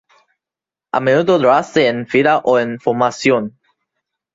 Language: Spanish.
A menudo lo hace en fila o en formación.